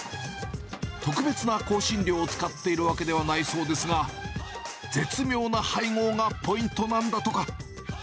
特別な香辛料を使っているわけではないそうですが、絶妙な配合がポイントなんだとか。